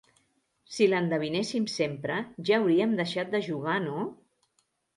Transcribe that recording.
Si l'endevinéssim sempre ja hauríem deixat de jugar, no?